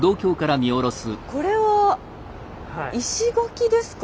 これは石垣ですか？